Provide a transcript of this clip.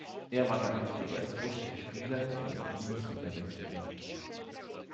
Er war damit der erste russische Spieler, der in die Bundesliga wechselte.